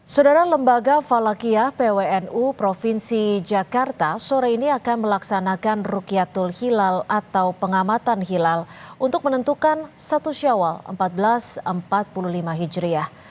saudara lembaga falakiyah pwnu provinsi jakarta sore ini akan melaksanakan rukyatul hilal atau pengamatan hilal untuk menentukan satu syawal seribu empat ratus empat puluh lima hijriah